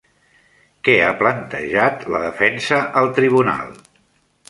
Què ha plantejat la defensa al tribunal?